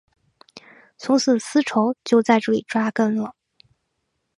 从此丝绸就在这里扎根了。